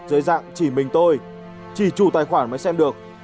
dưới dạng chỉ mình tôi chỉ chủ tài khoản mới xem được